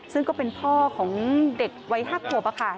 ซึ่งก็เป็นพ่อของเด็กวัยหักหัวประคา